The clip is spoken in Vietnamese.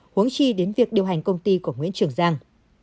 huống chi đến việc điều hành công ty của nguyễn trường giang